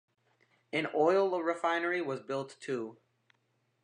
An oil refinery was built too.